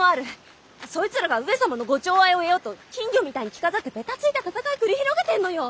そいつらが上様のご寵愛を得ようと金魚みたいに着飾ってベタついた戦い繰り広げてんのよ！